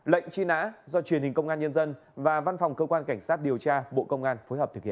lệnh truy nã do truyền hình công an nhân dân và văn phòng cơ quan cảnh sát điều tra bộ công an phối hợp thực hiện